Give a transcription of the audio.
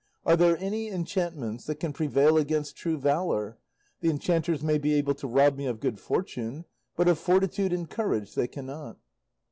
"Are there any enchantments that can prevail against true valour? The enchanters may be able to rob me of good fortune, but of fortitude and courage they cannot."